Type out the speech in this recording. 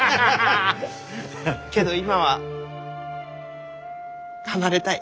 けど今は離れたい。